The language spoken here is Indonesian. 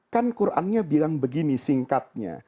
kan qurannya bilang begini singkatnya